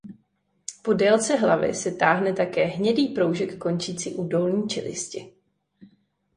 Po délce hlavy se táhne také hnědý proužek končící u dolní čelisti.